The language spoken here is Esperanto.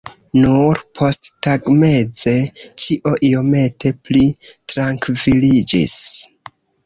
Nur posttagmeze ĉio iomete pli trankviliĝis.